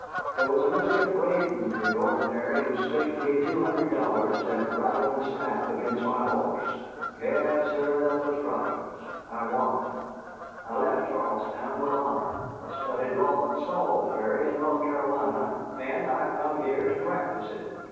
There was a Mr. Braiden in the ordinary who staked me two hundred dollars at rattle and snap against my horse. Gad, sir, that was providence. I won. I left Charlestown with honor, I studied law at Salisbury in North Carolina, and I have come here to practise it."